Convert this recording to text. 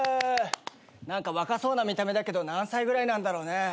何か若そうな見た目だけど何歳ぐらいなんだろうね？